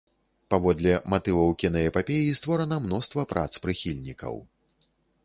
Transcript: Паводле матываў кінаэпапеі створана мноства прац прыхільнікаў.